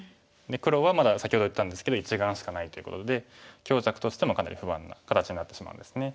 黒はまだ先ほど言ったんですけど１眼しかないということで強弱としてもかなり不安な形になってしまうんですね。